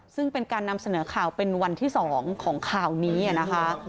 ซึ่งเป็นการนำเสนอข่าวเป็นวันที่๒ของข่าวนี้นะคะ